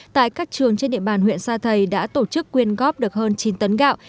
tại các trường trên địa bàn huyện sa thầy đã tổ chức quyên góp được hơn chín tấn gạo